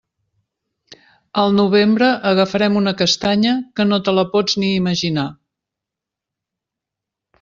Al novembre agafarem una castanya que no te la pots ni imaginar.